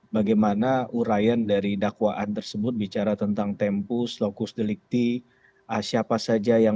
bagaimana urayan dari dakwaan tersebut bicara tentang tempus lokus delikti siapa saja yang